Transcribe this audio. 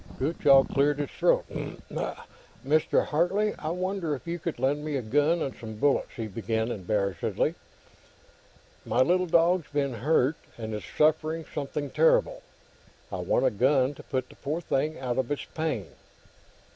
Gutchall cleared his throat. "Mr. Hartley, I wonder if you could lend me a gun and some bullets," he began, embarrassedly. "My little dog's been hurt, and it's suffering something terrible. I want a gun, to put the poor thing out of its pain."